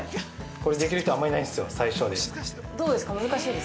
◆これ、できる人、あんまりいないんですよ、最初で。